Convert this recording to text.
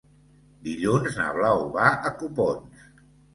Dilluns na Blau va a Copons.